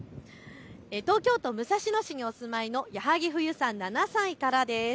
東京都武蔵野市にお住まいのやはぎふゆさん、７歳からです。